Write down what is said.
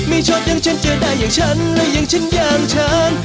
ไม่ชอบอย่างฉันเจอได้อย่างฉันและอย่างฉันอย่างฉัน